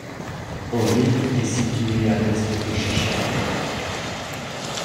Oving est situé à l'est de Chichester.